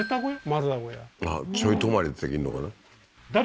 丸太小屋ちょい泊まりできんのかな？